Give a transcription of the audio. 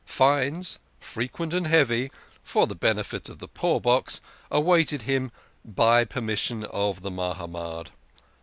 Fines, frequent and heavy for the benefit of the poor box awaited him " by permission of the Mahamad."